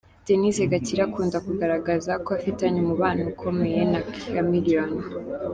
Denise Gakire akunda kugaragaza ko afitanye umubano ukomeye na Chameleone.